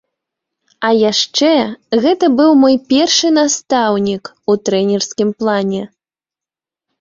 А яшчэ гэта быў мой першы настаўнік у трэнерскім плане.